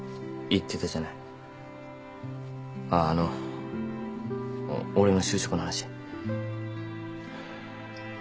あっあのおっ俺の就職の話。